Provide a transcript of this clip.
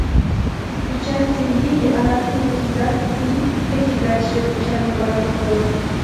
Участие Лиги арабских государств будет и впредь играть чрезвычайно важную роль.